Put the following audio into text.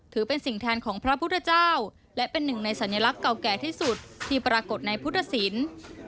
ถือเป็นสิ่งแทนของพระพุทธเจ้าและเป็นหนึ่งในสัญลักษณ์เก่าแก่ที่สุดที่ปรากฏในพุทธศิลป์